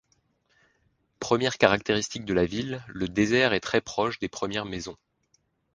Première caractéristique de la ville, le désert est très proche des premières maisons.